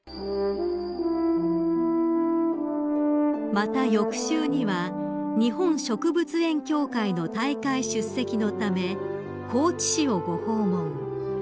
［また翌週には日本植物園協会の大会出席のため高知市をご訪問］